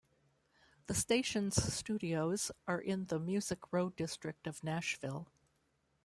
The station's studios are in the Music Row district of Nashville.